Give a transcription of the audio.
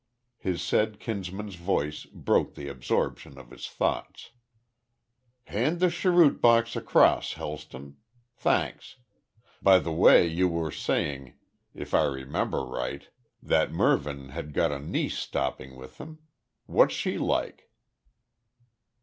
His said kinsman's voice broke the absorption of his thoughts. "Hand the cheroot box across, Helston Thanks By the way you were saying, if I remember right, that Mervyn had got a niece stopping with him. What's she like?"